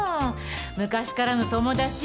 昔からの友達。